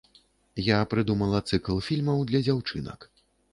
Я прыдумала цыкл фільмаў для дзяўчынак.